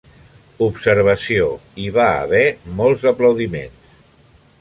Observació: Hi ha haver molts aplaudiments.